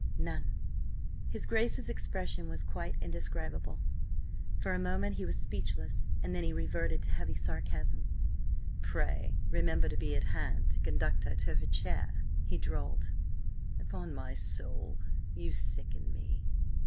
"None." His Grace's expression was quite indescribable. For a moment he was speechless, and then he reverted to heavy sarcasm. "Pray remember to be at hand–to conduct her to her chair!" he drawled. "Upon my soul, you sicken me!